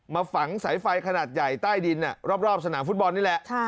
ฝังสายไฟขนาดใหญ่ใต้ดินรอบสนามฟุตบอลนี่แหละ